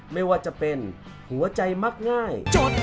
ไม่ว่าจะเป็นหัวใจมักง่าย